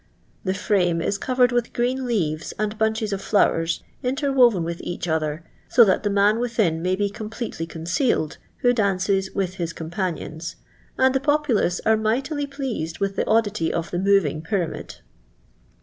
The frame is covered with green learea and bunches of flowers, interwoven with each other, so that the man within may be completely concealed, who dances with bis companions; and the populace are mightily pleased with the oddity of the moving pyramid."